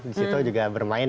di situ juga bermain